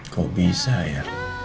kok bisa ya